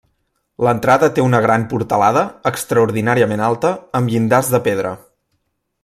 L'entrada té una gran portalada, extraordinàriament alta, amb llindars de pedra.